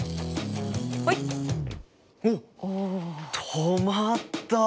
止まった！